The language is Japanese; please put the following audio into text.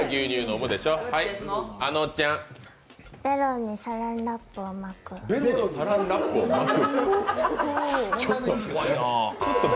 べろにサランラップを巻く。